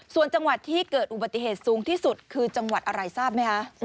ส่วนจังหวัดที่เกิดอุบัติเหตุสูงที่สุดคือจังหวัดอะไรทราบไหมคะ